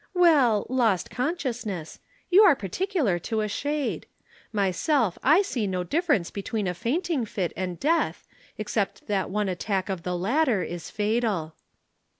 "Well lost consciousness. You are particular to a shade. Myself I see no difference between a fainting fit and death except that one attack of the latter is fatal."